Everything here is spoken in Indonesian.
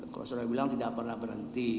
kalau saudara bilang tidak pernah berhenti